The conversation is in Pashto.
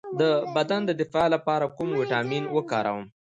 د بدن د دفاع لپاره کوم ویټامین وکاروم؟